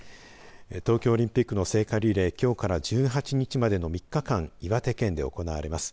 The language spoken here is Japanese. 東京オリンピックの聖火リレーきょうから１８日までの３日間、岩手県で行われます。